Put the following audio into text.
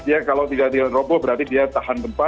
dia kalau tidak roboh berarti dia tahan gempa